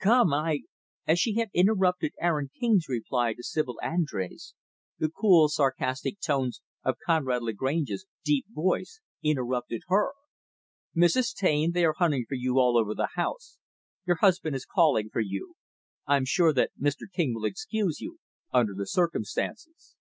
Come, I " As she had interrupted Aaron King's reply to Sibyl Andrés, the cool, sarcastic tones of Conrad Lagrange's deep voice interrupted her. "Mrs. Taine, they are hunting for you all over the house. Your husband is calling for you. I'm sure that Mr. King will excuse you, under the circumstances."